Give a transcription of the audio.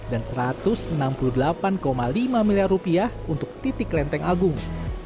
dan rp satu ratus enam puluh delapan lima miliar untuk titik lenteng agung